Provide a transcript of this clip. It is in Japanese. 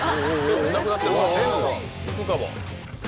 いくかも。